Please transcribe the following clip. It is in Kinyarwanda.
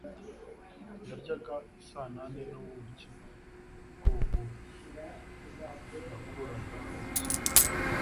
Yaryaga ''isanane n'ubuki bw'ubuhura'' yakuraga mw'ishyamba,